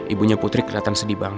ibunya putri kelihatan sedih banget